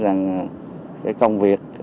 rằng công việc